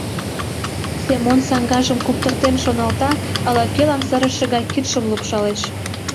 Семон саҥгажым куптыртен шоналта, ала-кӧлан сырыше гай кидшым лупшалеш: